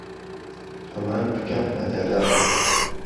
ئهمان پکهم ههتەره